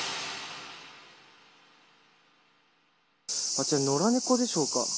あちら、野良猫でしょうか。